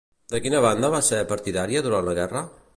De quina banda va ser partidària durant la Guerra?